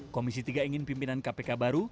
komisi tiga ingin pimpinan kpk baru